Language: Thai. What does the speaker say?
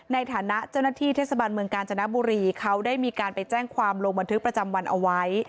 ในฐานะเจ้าหน้าที่เทศบาลเมืองกาญจนบุรีเขาได้มีการไปแจ้งความลงบันทึกประจำวันเอาไว้